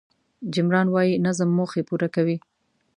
جیم ران وایي نظم موخې پوره کوي.